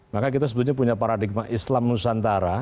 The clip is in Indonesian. maka kita sebetulnya punya paradigma islam nusantara